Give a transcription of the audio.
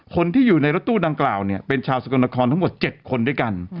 คนที่อยู่ในรถตู้ดังกล่าวเนี่ยเป็นชาวสกลนครทั้งหมด๗คนด้วยกัน